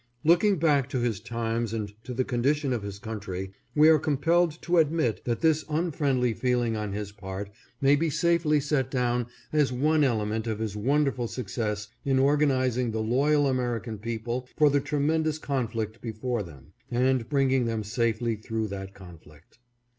Looking back to his times and to the condition of his country, we are compelled to admit that this unfriendly feeling on his part may be safely set down as one element of his wonderful success in organizing the loyal American people for the tremen dous conflict before them, and bringing them safely through that conflict.